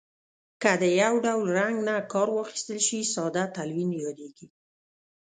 که د یو ډول رنګ نه کار واخیستل شي ساده تلوین یادیږي.